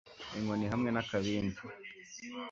Inkoni hamwe nakabindi